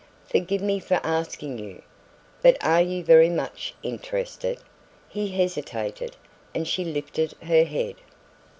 "Forgive me asking you, but are you very much interested " He hesitated, and she lifted her head.